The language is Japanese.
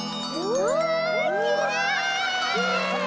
うわきれい！